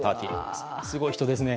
すごい人ですね。